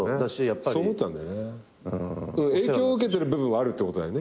影響を受けてる部分はあるってことだよね。